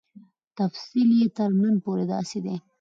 تفصیل یې تر نن پورې داسې دی.